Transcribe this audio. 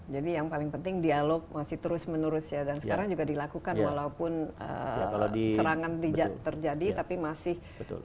jadi yang paling penting dialog masih terus menerus dan sekarang juga dilakukan walaupun serangan terjadi tapi masih